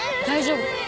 大丈夫？